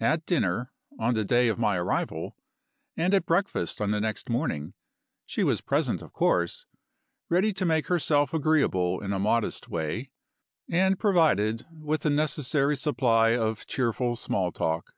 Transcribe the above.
At dinner, on the day of my arrival, and at breakfast on the next morning, she was present of course; ready to make herself agreeable in a modest way, and provided with the necessary supply of cheerful small talk.